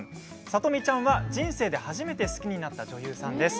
さとみちゃんは人生で初めて好きになった女優さんです。